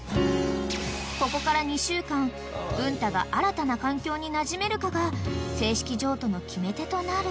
［ここから２週間文太が新たな環境になじめるかが正式譲渡の決め手となる］